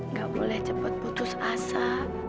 nggak boleh cepat putus asa